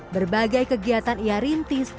berbagai kegiatan ia rintis